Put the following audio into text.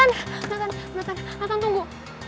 natan natan natan tunggu